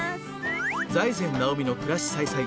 「財前直見の暮らし彩彩」